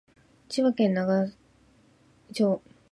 千葉県長生村